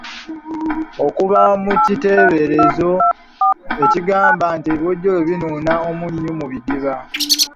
Okuva mu kiteeberezo ekigamba nti ebiwojjolo binuuna omunnyu mu bidiba.